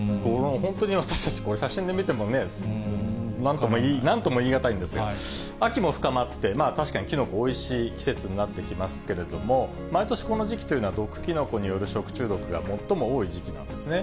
本当に私たち、これ、写真で見てもね、なんとも言い難いんですけど、秋も深まって、確かにキノコ、おいしい季節になってきますけれども、毎年この時期というのは、毒キノコによる食中毒が最も多い時期なんですね。